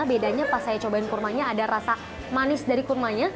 bedanya pas saya cobain kurmanya ada rasa manis dari kurmanya